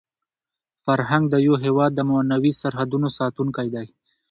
فرهنګ د یو هېواد د معنوي سرحدونو ساتونکی دی.